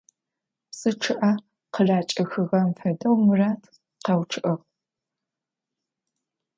Псы чъыӏэ къыракӏыхыгъэм фэдэу Мурат къэучъыӏыгъ.